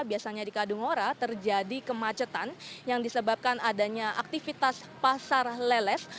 biasanya di kadungora terjadi kemacetan yang disebabkan adanya aktivitas pasar leles